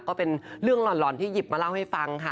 ก็เป็นเรื่องหล่อนที่หยิบมาเล่าให้ฟังค่ะ